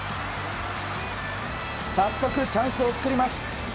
早速、チャンスを作ります。